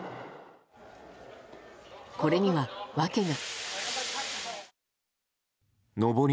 これには訳が。